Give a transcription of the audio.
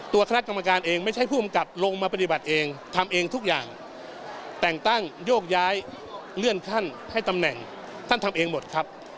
ตัวคณะกรรมการเองไม่ใช่ผู้กำกับลงมาปฏิบัติเองทำเองทุกอย่างแต่งตั้งโยกย้ายเลื่อนขั้นให้ตำแหน่งท่านทำเองหมดครับ